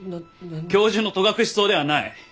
教授の戸隠草ではない！